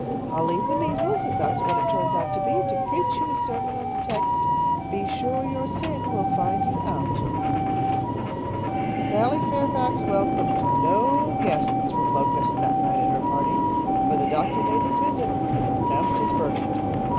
I'll leave the measles, if that's what it turns out to be, to preach you a sermon on the text, 'Be sure your sin will find you out.'" Sally Fairfax welcomed no guests from Locust that night at her party, for the doctor made his visit and pronounced his verdict.